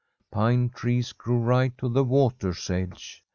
Pine trees grew right to the water's edge.